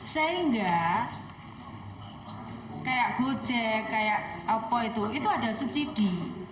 sehingga kayak gojek kayak apa itu itu ada subsidi